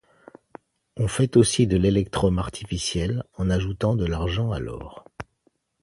On fait aussi de l'électrum artificiel en ajoutant de l'argent à l'or.